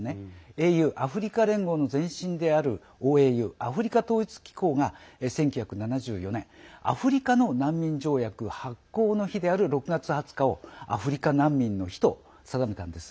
ＡＵ＝アフリカ連合の前身であるＯＡＵ＝アフリカ統一機構が１９７４年アフリカの難民条約発効の日である６月２０日をアフリカ難民の日と定めたんです。